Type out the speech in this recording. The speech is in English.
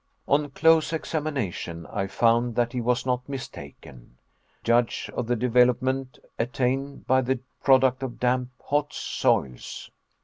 On close examination I found that he was not mistaken. Judge of the development attained by this product of damp hot soils.